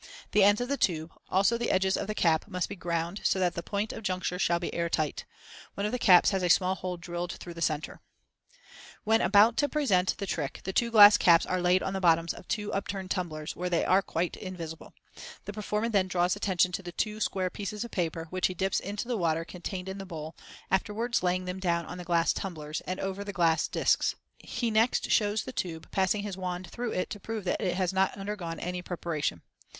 The ends of the tube, also the edges of the caps, must be ground, so that the point of juncture shall be air tight. One of the caps has a small hole drilled through the center (see Fig. 31). Fig. 31. Glass Cylinder and Caps. When about to present the trick the two glass caps are laid on the bottoms of two upturned tumblers, where they are quite invisible. The performer then draws attention to two square pieces of paper, which he dips into the water contained in the bowl, afterwards laying them down on the glass tumblers, and over the glass discs. He next shows the tube, passing his wand through it to prove that it has not undergone any preparation.